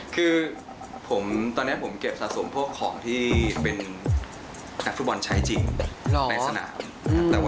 คือตอนนี้ผมเก็บสะสมพวกของที่อาจเป็นแก่ฟื้ลบอลใช้จริง